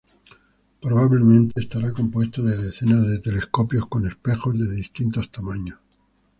Probablemente estará compuesto de decenas de telescopios con espejos de distintos tamaños.